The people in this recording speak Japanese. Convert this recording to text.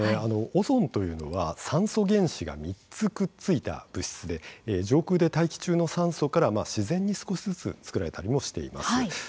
オゾンというのは酸素原子が３つくっついた物質で上空で大気中の酸素から自然に少しずつ作られたりもしています。